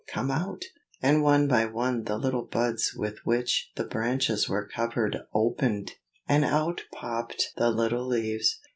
come out!" And one by one the little buds with which the branches were covered opened, and out popped the little leaves.